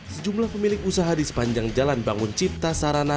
sejumlah pemilik usaha di sepanjang jalan bangun cipta sarana